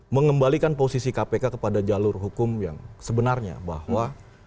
mengembalikan posisi kpk kepada jalur hukum yang sebenarnya bahwa